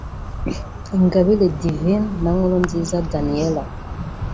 Ingabire Divine na Nkuruniza Daniella